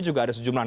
juga ada sejumlah